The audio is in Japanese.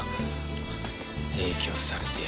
影響されてやがる。